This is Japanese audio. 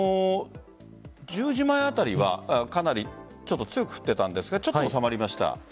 １０時前あたりはかなり強く降っていたんですがちょっと収まりました。